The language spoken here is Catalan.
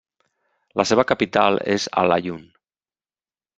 La seva capital és Al-Aaiun.